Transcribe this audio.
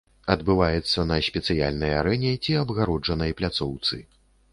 Адбываецца на спецыяльнай арэне ці абгароджанай пляцоўцы.